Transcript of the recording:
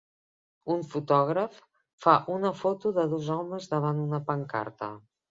Un fotògraf fa una foto de dos homes davant d'una pancarta.